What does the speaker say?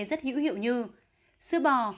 rất hữu hiệu như sữa bò